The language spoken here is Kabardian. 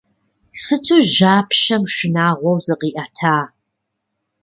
Сыту жьапщэм шынагъуэу зыкъиӏэта!